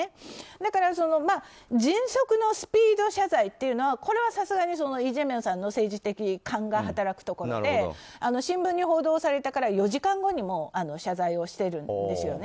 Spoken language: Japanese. だから迅速なスピード謝罪というのはこれはさすがにイ・ジェミョンさんの政治的勘が働くところで新聞に報道されてから４時間後に謝罪してるんですよね。